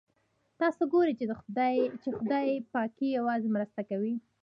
تاسو ګورئ چې خدای پاک یوازې مرسته کوي.